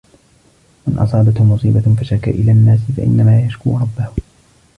مَنْ أَصَابَتْهُ مُصِيبَةٌ فَشَكَا إلَى النَّاسِ فَإِنَّمَا يَشْكُو رَبَّهُ